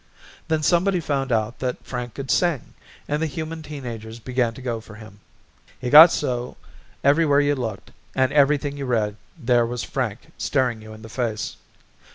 Then somebody found out Frank could sing and the human teen agers began to go for him. It got so everywhere you looked and everything you read, there was Frank staring you in the face.